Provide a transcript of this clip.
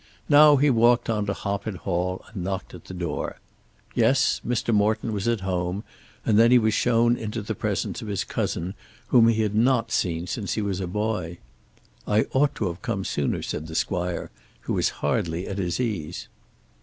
Now he walked on to Hoppet Hall and knocked at the door. Yes; Mr. Morton was at home, and then he was shown into the presence of his cousin whom he had not seen since he was a boy. "I ought to have come sooner," said the Squire, who was hardly at his ease.